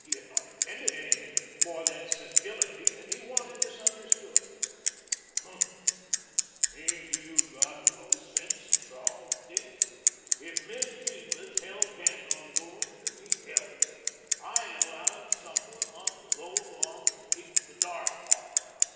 He had not intended anything more than civility and he wanted this understood. "Hmp! Ain't you got no sense a tall, Gid? If Miss Sheba's hell bent on goin' to meet Elliot, I allowed some one ought to go along and keep the dark offen her.